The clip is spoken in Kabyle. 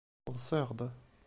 Ḍṣiɣ-d.